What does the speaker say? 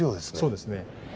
そうですね。